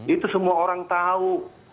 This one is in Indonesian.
itu semua orang tahu